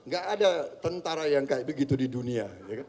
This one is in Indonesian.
gak ada tentara yang kayak begitu di dunia